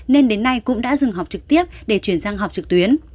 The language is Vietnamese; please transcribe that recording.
nên đến nay cũng đã dừng học trực tiếp để chuyển sang học trực tuyến